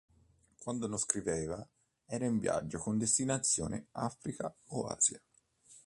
Quando non scriveva era in viaggio con destinazione Africa o Asia.